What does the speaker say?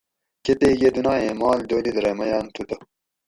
کتیک یہ دنائیں مال دولِت رہ میاۤن تھو تہ